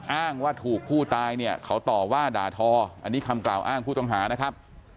อ้างว่าถูกผู้ตายเนี่ยเขาต่อว่าด่าทออันนี้คำกล่าวอ้างผู้ต้องหานะครับ